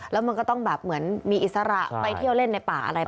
แล้วมันก็ต้องแบบเหมือนมีอิสระไปเที่ยวเล่นในป่าอะไร